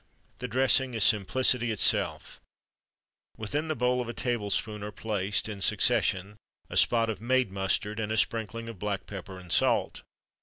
The dressing is simplicity itself: Within the bowl of a table spoon are placed, in succession, a spot of made mustard, and a sprinkling of black pepper and salt.